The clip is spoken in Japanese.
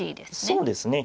そうですね。